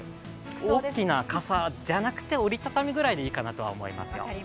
大きな傘じゃなくて、折り畳みぐらいでいいかなと思いますよ。